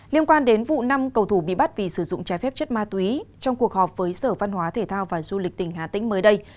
liên quan đến vụ năm cầu thủ bị bắt vì sử dụng trái phép chất ma túy trong cuộc họp với sở văn hóa thể thao và du lịch tỉnh hà tĩnh mới đây